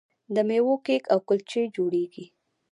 د میوو کیک او کلچې جوړیږي.